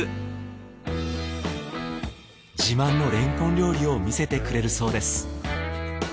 自慢のれんこん料理を見せてくれるそうです。